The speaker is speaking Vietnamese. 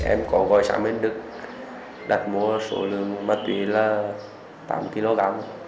em có gọi xã minh đức đặt mua số lượng ma túy là tám kg